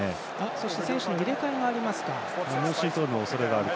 そして選手の入れ替えがありますか。